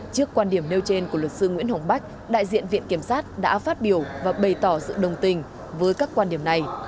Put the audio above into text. trước quan điểm nêu trên của luật sư nguyễn hồng bách đại diện viện kiểm sát đã phát biểu và bày tỏ sự đồng tình với các quan điểm này